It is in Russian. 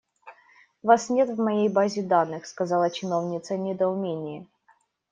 «Вас нет в моей базе данных», - сказала чиновница в недоумении.